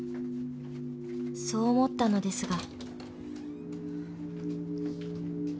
［そう思ったのですが］